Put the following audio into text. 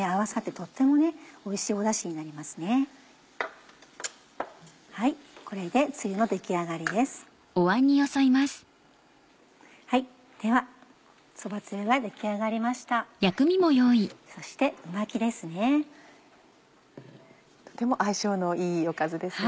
とても相性のいいおかずですよね。